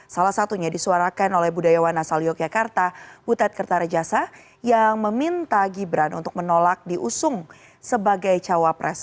salah satunya disuarakan oleh budayawan asal yogyakarta butet kertarejasa yang meminta gibran untuk menolak diusung sebagai cawapres